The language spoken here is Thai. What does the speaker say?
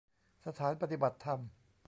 สถานปฏิบัติธรรม